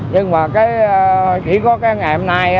nhưng mà chỉ có ngày hôm nay